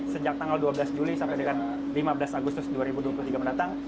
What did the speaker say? sejak tanggal dua belas juli sampai dengan lima belas agustus dua ribu dua puluh tiga mendatang